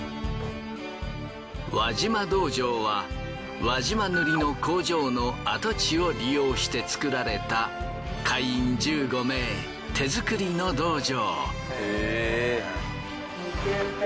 輪島道場は輪島塗りの工場の跡地を利用して作られた会員１５名手作りの道場。